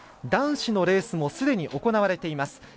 男子のレースもすでに行われています。